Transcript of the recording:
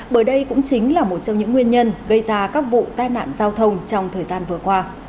bởi đây cũng chính là một trong những nguyên nhân gây ra các vụ tai nạn giao thông trong thời gian vừa qua